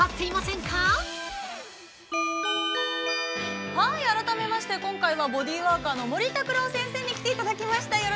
◆改めまして、今回はボディーワーカーの森拓郎先生に来ていただきました。